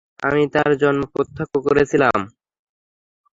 আমি তার জন্ম প্রত্যক্ষ করেছিলাম!